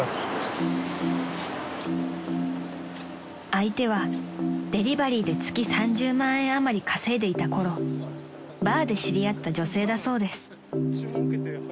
［相手はデリバリーで月３０万円余り稼いでいたころバーで知り合った女性だそうです］